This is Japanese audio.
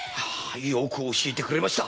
よく教えてくれた。